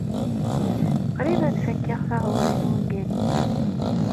Qrib ad fakeɣ taɣuri n wungal-nni.